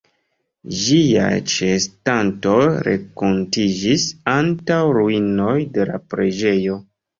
Ĝiaj ĉeestantoj renkontiĝis antaŭ ruinoj de la preĝejo.